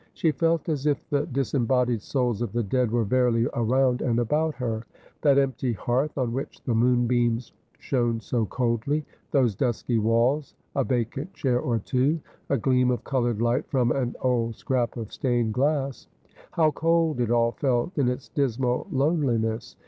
She felt as if the disembodied souls of the dead were verily around and about her. That empty hearth, on which the moonbeams shone so coldly ; those dusky walls ; a vacant chair or two ; a gleam of coloured light from an old scrap of stained glass. How cold it all felt in its dismal loneliness.